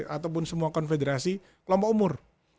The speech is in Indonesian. ataupun semua konfederasi kelompok umur